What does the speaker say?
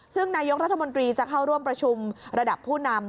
ซึ่งนายกรัฐมนตรีจะเข้าร่วมประชุมระดับผู้นำ